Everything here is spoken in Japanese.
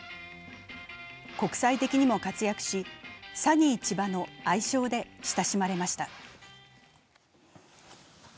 国際的にも活躍し、サニー千葉の愛称で親しまれました。